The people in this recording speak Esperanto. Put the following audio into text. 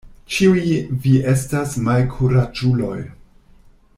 Ĉiuj vi estas malkuraĝuloj.